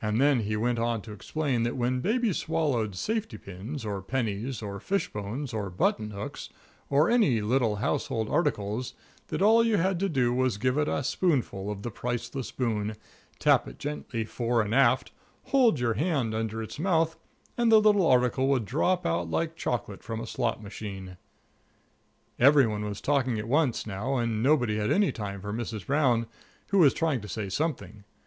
Then he went on to explain that when baby swallowed safety pins, or pennies, or fish bones, or button hooks, or any little household articles, that all you had to do was to give it a spoonful of the Priceless Boon, tap it gently fore and aft, hold your hand under its mouth, and the little article would drop out like chocolate from a slot machine. Every one was talking at once, now, and nobody had any time for Mrs. Brown, who was trying to say something.